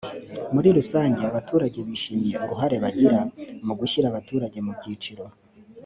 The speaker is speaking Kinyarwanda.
muri rusange abaturage bishimiye uruhare bagira mu gushyira abaturage mu byiciro